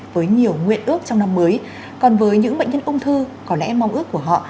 với nhiều nguyện ước trong năm mới còn với những bệnh nhân ung thư có lẽ mong ước của họ